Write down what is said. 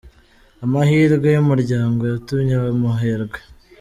Amahirwe y’umuryango yatumye aba umuherwe